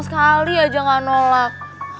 sekali aja gak nolak